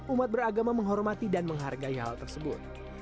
umat beragama menghormati dan menghargai hal tersebut